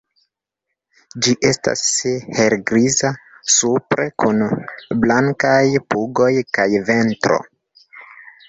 Ĝi estas helgriza supre kun blankaj pugo kaj ventro.